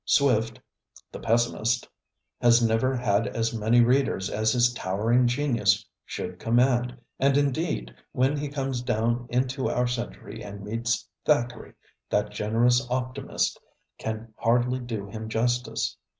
Swift, the pessimist, has never had as many readers as his towering genius should command, and indeed, when he comes down into our century and meets Thackeray, that generous optimist can hardly do him justice.